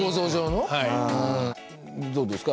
どうですか？